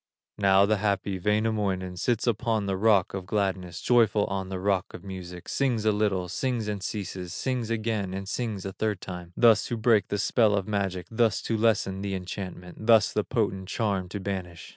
Now the happy Wainamoinen, Sits upon the rock of gladness, Joyful on the rock of music, Sings a little, sings and ceases, Sings again, and sings a third time, Thus to break the spell of magic, Thus to lessen the enchantment, Thus the potent charm to banish.